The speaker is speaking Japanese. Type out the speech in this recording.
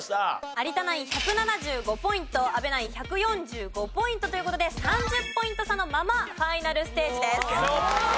有田ナイン１７５ポイント阿部ナイン１４５ポイントという事で３０ポイント差のままファイナルステージです。